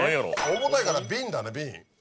重たいから瓶だね瓶。